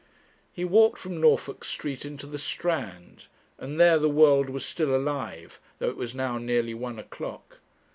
He walked from Norfolk Street into the Strand, and there the world was still alive, though it was now nearly one o'clock.